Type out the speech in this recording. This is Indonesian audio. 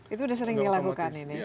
itu sudah sering dilakukan ini